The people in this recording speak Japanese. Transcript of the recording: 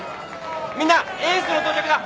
みんなエースの到着だ。